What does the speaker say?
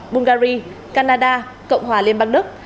bungary canada cộng hòa liên bang đức